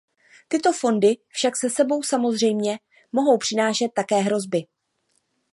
Tyto fondy však se sebou, samozřejmě, mohou přinášet také hrozby.